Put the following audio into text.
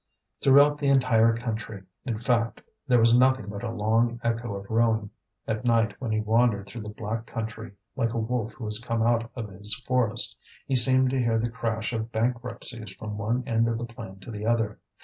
Throughout the entire country, in fact, there was nothing but a long echo of ruin. At night, when he wandered through the black country, like a wolf who has come out of his forest, he seemed to hear the crash of bankruptcies from one end of the plain to the other.